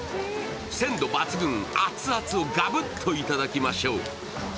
鮮度抜群、熱々をがぶっといただきましょう。